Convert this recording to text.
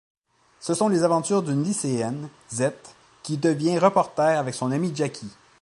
Ce sont les aventures d'une lycéenne, Zette, qui devient reporter avec son amie Jackie.